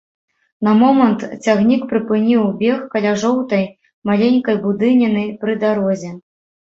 На момант цягнік прыпыніў бег каля жоўтай, маленькай будыніны пры дарозе.